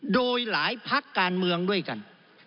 โดยหลายพักการเมืองด้วยกัน